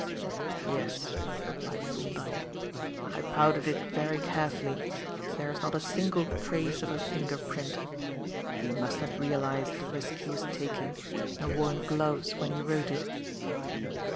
"Yes," replied Thorndyke, "I powdered it very carefully, but there is not a single trace of a fingerprint. He must have realised the risk he was taking and worn gloves when he wrote it."